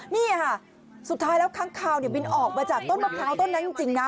นี่ค่ะสุดท้ายแล้วค้างคาวบินออกมาจากต้นมะพร้าวต้นนั้นจริงนะ